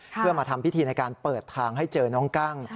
เพื่อมาทำพิธีในการเปิดทางให้เจอน้องกั้ง